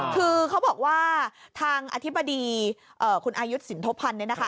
คือเขาบอกว่าทางอธิบดีคุณอายุสินทบพันธ์เนี่ยนะคะ